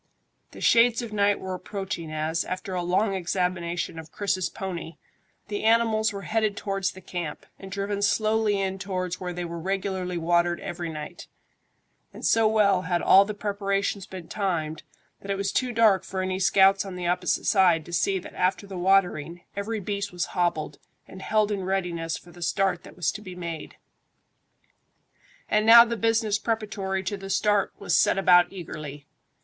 The shades of night were approaching as, after a long examination of Chris's pony, the animals were headed towards the camp, and driven slowly in towards where they were regularly watered every night; and so well had all the preparations been timed that it was too dark for any scouts on the opposite side to see that after the watering, every beast was hobbled and held in readiness for the start that was to be made. And now the business preparatory to the start was set about eagerly.